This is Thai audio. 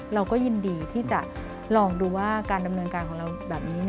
เราก็ยินดีที่จะลองดูว่าการดำเนินการของเราแบบนี้